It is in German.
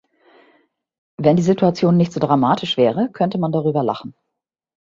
Wenn die Situation nicht so dramatisch wäre, könnte man darüber lachen.